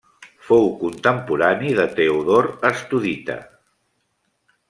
Fou contemporani de Teodor Estudita.